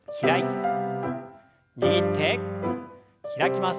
握って開きます。